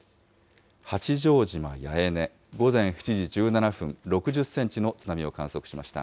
八丈島八重根、午前７時１７分、６０センチの津波を観測しました。